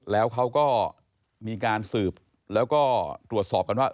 แล้วเขาก็มีการสืบแล้วก็ตรวจสอบกันว่า